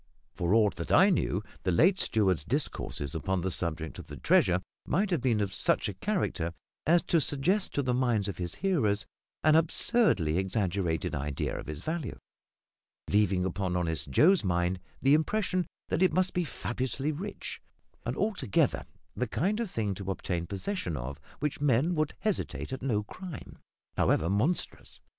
For aught that I knew, the late steward's discourses upon the subject of the treasure might have been of such a character as to suggest to the minds of his hearers an absurdly exaggerated idea of its value, leaving upon honest Joe's mind the impression that it must be fabulously rich, and altogether the kind of thing to obtain possession of which men would hesitate at no crime, however monstrous.